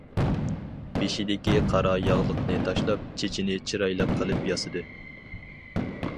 بېشىدىكى قارا ياغلىقنى تاشلاپ، چېچىنى چىرايلىق قىلىپ ياسىدى.